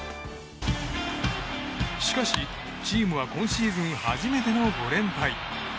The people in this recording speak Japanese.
しかし、チームは今シーズン初めての５連敗。